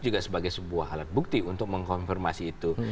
juga sebagai sebuah alat bukti untuk mengkonfirmasi itu